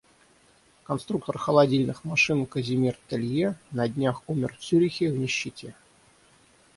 Конструктор холодильных машин Казимир Телье на днях умер в Цюрихе в нищете.